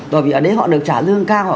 rồi ở đấy họ được trả lương cao